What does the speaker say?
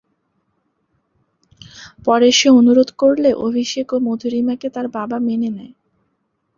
পরে সে অনুরোধ করলে "অভিষেক" ও "মধুরিমা"কে তার বাবা মেনে নেয়।